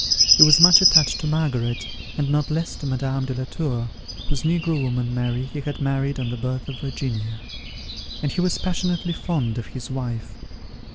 He was much attached to Margaret, and not less to Madame de la Tour, whose negro woman, Mary, he had married on the birth of Virginia; and he was passionately fond of his wife.